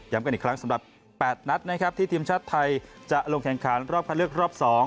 กันอีกครั้งสำหรับ๘นัดนะครับที่ทีมชาติไทยจะลงแข่งขันรอบคันเลือกรอบ๒